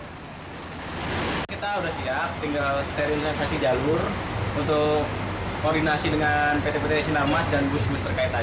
kita sudah siap tinggal sterilisasi jalur untuk koordinasi dengan pt pt sinarmas dan bus bus terkait tadi